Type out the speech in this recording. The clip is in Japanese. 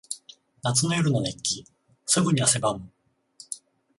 夏の夜の熱気。すぐに汗ばむ。